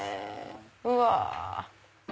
うわ！